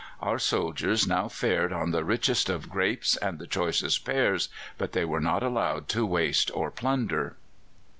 Our soldiers now fared on the richest of grapes and the choicest pears, but they were not allowed to waste or plunder.